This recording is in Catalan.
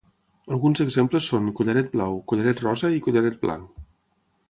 Alguns exemples són "collaret blau", "collaret rosa" i "collaret blanc".